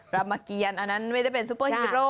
รามเกียรอันนั้นไม่ได้เป็นซุปเปอร์ฮีโร่